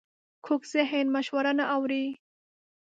کوږ ذهن مشوره نه اوري